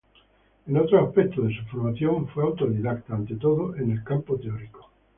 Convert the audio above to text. En otros aspectos de su formación fue autodidacta, ante todo en el campo teórico.